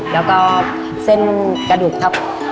และเส้นกระดูกสรรค์